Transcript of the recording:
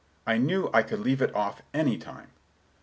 I knew I could leave it off any time.